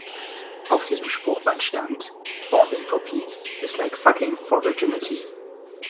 Auf diesem Spruchband stand "Bombing for peace is like fucking for virginity".